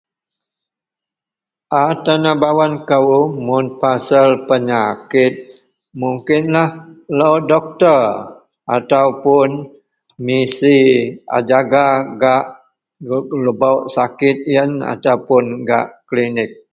A tenabawen kou mun pasel penyakit mungkinlah lo doktor ataupuun misi a jaga gak lebok sakit yen ataupuun gak klinik.